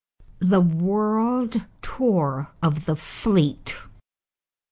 =The World Tour of the Fleet.